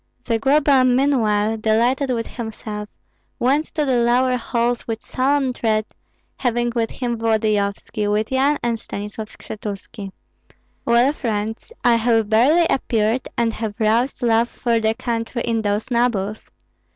Zagloba meanwhile, delighted with himself, went to the lower halls with solemn tread, having with him Volodyovski, with Yan and Stanislav Skshetuski. "Well, friends, I have barely appeared and have roused love for the country in those nobles.